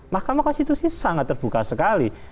mahkamah konstitusi sangat terbuka sekali